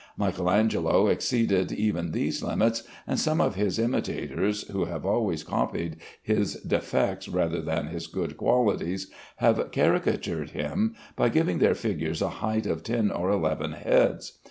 Michael Angelo exceeded even these limits, and some of his imitators, who have always copied his defects rather than his good qualities, have caricatured him by giving their figures a height of ten or eleven heads.